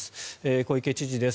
小池知事です。